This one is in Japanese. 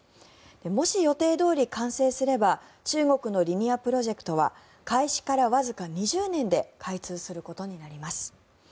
もし予定どおり完成すれば中国のリニアプロジェクトは開始からわずか２０年で開通することになります。